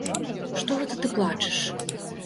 Што гэта ты плачаш?